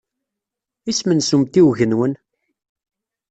Isem-nnes umtiweg-nwen?